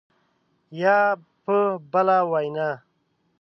یا په بله وینا